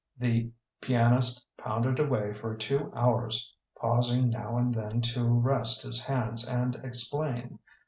The pianist pounded away for two hours, pausing now and then to rest his hands and explain.